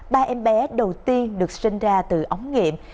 ba em bé đầu tiên được sinh ra từ ống nghiệm